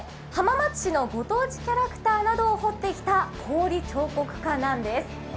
浜松市のご当地キャラクターなどを彫ってきた氷彫刻家なんです。